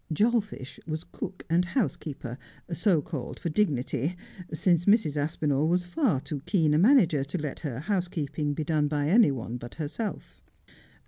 Joifish was cook and housekeeper, so called for dignity, since Mrs. Aspinall was far too keen a manager to let her housekeeping be done by any one but herself.